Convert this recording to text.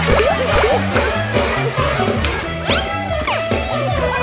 เยี้ยมมาก